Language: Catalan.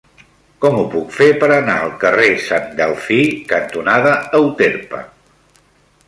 Com ho puc fer per anar al carrer Sant Delfí cantonada Euterpe?